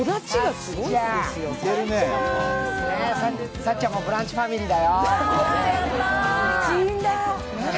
さっちゃんもブランチファミリーだよ。